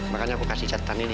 makanya aku kasih catetannya nih